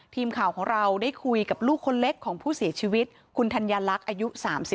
ทีมข่าวของเราได้คุยกับลูกคนเล็กของผู้เสียชีวิตคุณธัญลักษณ์อายุ๓๒